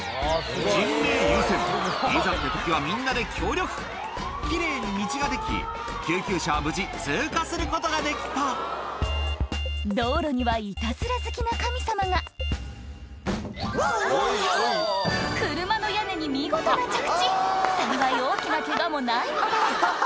人命優先いざって時はみんなで協力奇麗に道ができ救急車は無事通過することができた道路にはイタズラ好きな神様が車の屋根に見事な着地幸い大きなケガもないようだ